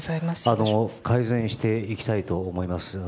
改善していきたいと思います。